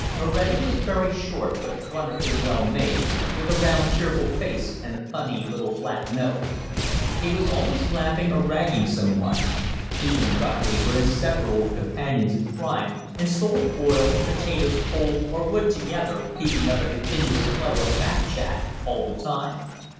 Moretti was very short but wonderfully well made, with a round cheerful face and a funny little flat nose. He was always laughing or ragging some one. He and Buckley were inseparable companions in crime and stole oil, potatoes, coal, or wood together, keeping up a continuous flow of back chat all the time.